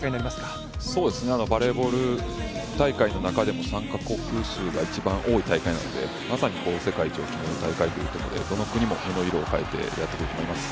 バレーボール大会の中でも参加国数が一番多い大会なのでまさに世界一を決める大会ということでどの国も目の色を変えて頑張ると思います。